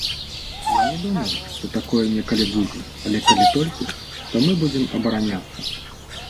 Я не думаю, што такое некалі будзе, але калі толькі, то мы будзем абараняцца.